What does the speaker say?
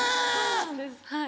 そうなんですはい。